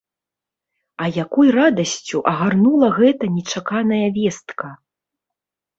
А якой радасцю агарнула гэта нечаканая вестка!